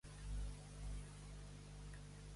Li feia fastig l'animal monstruós?